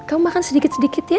kamu makan sedikit sedikit ya